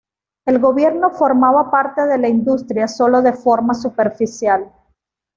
El gobierno formaba parte de la industria sólo de forma superficial.